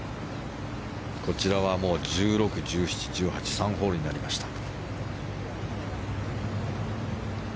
こちらは１６、１７、１８３ホールになりました。